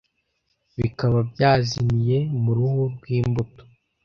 bikaba byazimiye muruhu rwimbuto